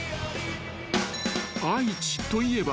［愛知といえば］